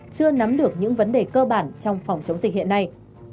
chưa nắm được những vấn đề cơ bản trong phòng chống dịch hiện nay